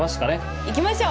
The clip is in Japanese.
いきましょう。